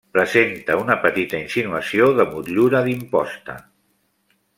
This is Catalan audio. Presenta una petita insinuació de motllura d'imposta.